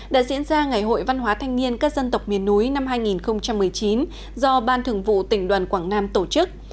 đã diễn ra ngày hội văn hóa thanh niên các dân tộc miền núi năm hai nghìn một mươi chín do ban thường vụ tỉnh đoàn quảng nam tổ chức